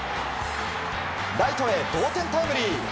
ライトへ同点タイムリー。